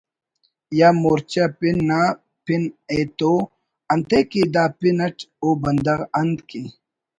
یا ’مورچہ پن‘ نا پن ایتو انتئے کہ دا پن اٹ او بندغ انت کہ